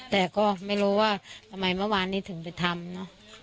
แต่ก็ไม่รู้ว่าทำไมเมื่อวานนี้ถึงไปทำเนอะ